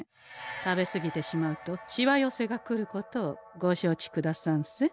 食べすぎてしまうとしわ寄せがくることをご承知くださんせ。